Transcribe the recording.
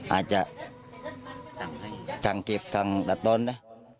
อาจจะจังกิบจังตัวต้นนะ